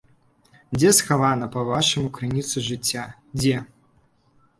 Дзе схавана, па-вашаму, крыніца жыцця, дзе?